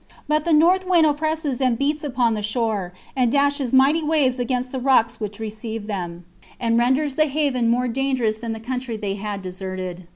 But the north wind opposes and beats upon the shore, and dashes mighty waves against the rocks which receive them, and renders the haven more dangerous than the country they had deserted.